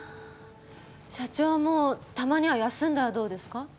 社長もたまには休んだらどうですか？